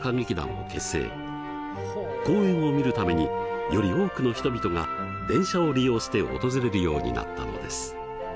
公演を見るためにより多くの人々が電車を利用して訪れるようになったのです。